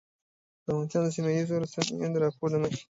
د افغانستان د سیمهییزو رسنیو د راپور له مخې